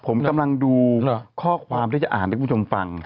ผมกำลังดูข้อความที่จะอ่านให้คุณผู้ชมฟัง